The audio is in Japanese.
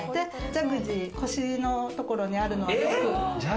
ジャグジー、腰のところにあるので。